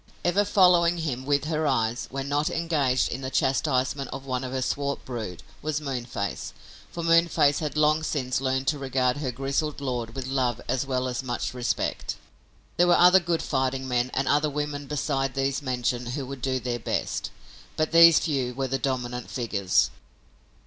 Ever following him with her eyes, when not engaged in the chastisement of one of her swart brood, was Moonface, for Moonface had long since learned to regard her grizzled lord with love as well as much respect. There were other good fighting men and other women beside these mentioned who would do their best, but these few were the dominant figures.